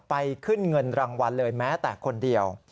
ไปขึ้นเงินรางวัลเลยแม้แต่คนเดียว